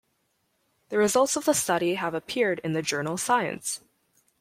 The results of the study have appeared in the journal Science.